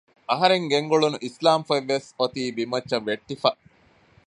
އަހަރެން ގެންގުޅުނު އިސްލާމް ފޮތްވެސް އޮތީ ބިންމައްޗަށް ވެއްތިފަ